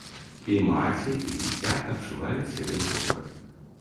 І маці, і дзіця адчуваюць сябе добра.